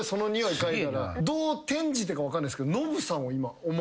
どう転じてか分かんないっすけど。